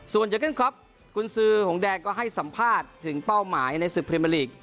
ส่วนจากนั้นครับกุญสือหงดแดงก็ให้สัมภาษณ์ถึงเป้าหมายในสุดปริมาลีก